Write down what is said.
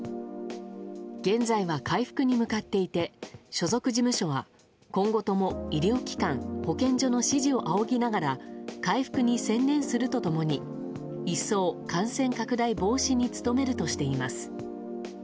現在は回復に向かっていて所属事務所は今後とも医療機関・保健所の指示を仰ぎながら回復に専念するとともに一層、感染拡大防止に努めるとしています。